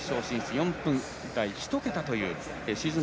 ４分台１桁というシーズン